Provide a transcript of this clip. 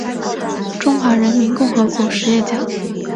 中华人民共和国实业家。